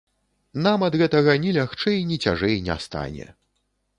Нам ад гэтага ні лягчэй, ні цяжэй не стане.